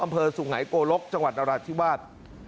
อำเภอสุงหายโกรกจังหวัดนราธิวาส